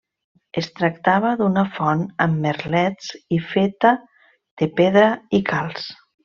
Es tractava d'una font amb merlets i feta de pedra i calç.